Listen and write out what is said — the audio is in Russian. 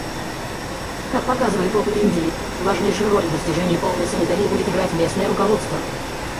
Как показывает опыт Индии, важнейшую роль в достижении полной санитарии будет играть местное руководство.